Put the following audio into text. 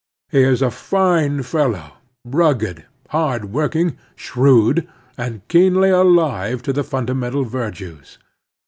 He is a fine fellow, rugged, hard working, shrewd, and keenly alive to the funda mental virtues.